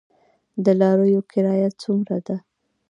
د لاریو کرایه څومره ده؟